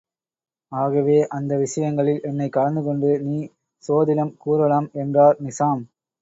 ஆகவே அந்த விஷயங்களில் என்னைக் கலந்துகொண்டு நீ சோதிடம் கூறலாம் என்றார் நிசாம்.